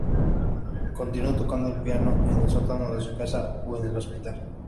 Continuó tocando el piano en el sótano de su casa o en el hospital.